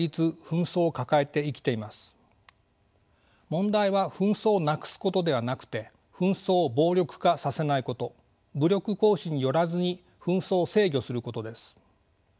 問題は紛争をなくすことではなくて紛争を暴力化させないこと武力行使によらずに紛争を制御することです。